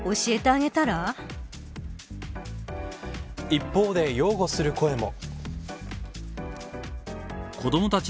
一方で、擁護する声も。